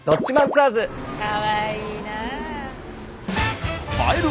かわいいな！